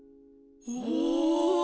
お！